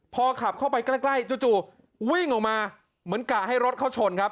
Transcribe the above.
พอขับเข้าไปใกล้จู่วิ่งออกมาเหมือนกะให้รถเขาชนครับ